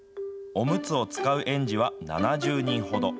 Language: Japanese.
おむつを使う園児は７０人ほど。